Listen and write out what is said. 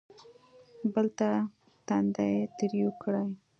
بل ته تندی تریو کړي.